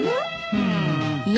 うん。